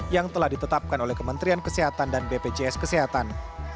yang telah ditetapkan oleh kementerian kesehatan dan bpjs kesehatan